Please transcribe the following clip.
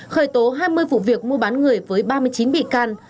khởi tố hai mươi vụ việc mua bán người với ba mươi chín bị can